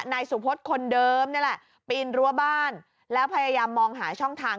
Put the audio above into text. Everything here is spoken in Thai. นายสุพธคนเดิมนี่แหละปีนรั้วบ้านแล้วพยายามมองหาช่องทาง